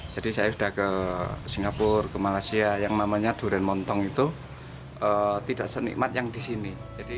jadi saya sudah ke singapura ke malaysia yang namanya durian montong itu tidak senikmat yang di sini